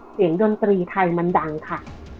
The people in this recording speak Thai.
ดนตรีไทยมันดังค่ะ